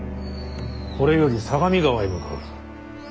これより相模川へ向かう。